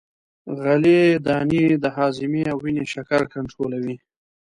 غلې دانې د هاضمې او وینې شکر کنترولوي.